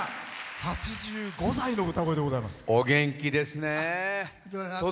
８５歳の歌声でございます。